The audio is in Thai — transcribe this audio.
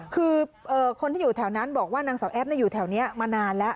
คือคนที่อยู่แถวนั้นบอกว่านางสาวแอฟอยู่แถวนี้มานานแล้ว